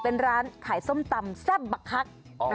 เป็นร้านขายส้มตำแซ่บบักคัก